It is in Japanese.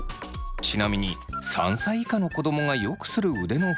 ちなみに３歳以下の子供がよくする腕の振り方です。